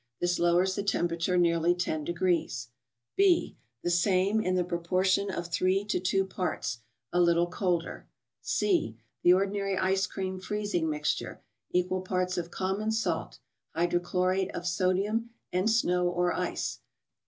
This lowers the temperature nearly ten de¬ grees. B. —The same, in the proportion of 3 to 2 parts, a little colder. C. —The ordinary ice cream freezing mixture, equal parts of common salt (hydrochlorate of sodium) and snow, or ice.